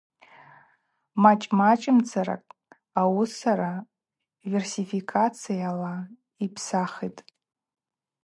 Мачӏ-мачӏымцара ауысара версификацияла йпсахитӏ.